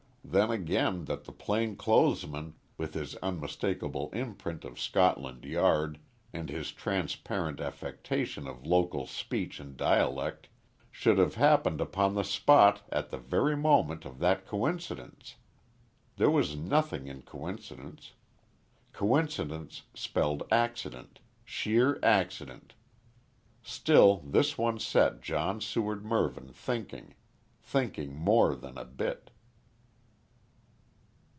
Then again, that the plain clothes man, with his unmistakable imprint of Scotland Yard, and his transparent affectation of local speech and dialect, should have happened upon the spot at the very moment of that coincidence! There was nothing in coincidence. Coincidence spelt accident: sheer accident. Still, this one set John Seward Mervyn thinking thinking more than a bit.